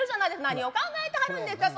何を考えてはるんですか。